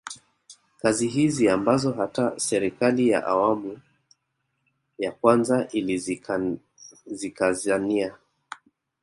Kazi hizi ambazo hata serikali ya awamu ya kwanza ilizikazania